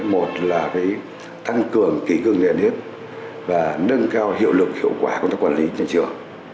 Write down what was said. một là tăng cường kỳ cương nghề niệm và nâng cao hiệu lực hiệu quả của các quản lý trường trường